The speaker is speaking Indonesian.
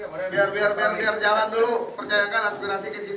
percayakan aspirasi kita mengalir luar